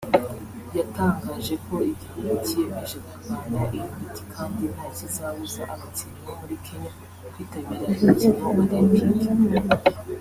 yatangaje ko igihugu cyiyemeje kurwanya iyo miti kandi nta kizabuza abakinnyi bo muri Kenya kwitabira imikino Olempike